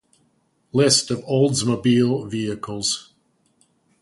List of Oldsmobile vehicles